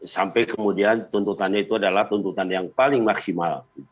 sampai kemudian tuntutannya itu adalah tuntutan yang paling maksimal